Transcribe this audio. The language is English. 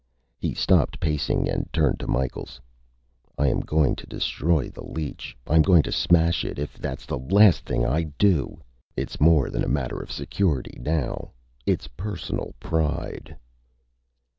He stopped pacing and turned to Micheals. "I am going to destroy the leech. I am going to smash it, if that's the last thing I do. It's more than a matter of security now. It's personal pride."